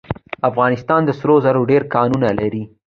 افغانستان د سرو زرو ډیر کانونه لري.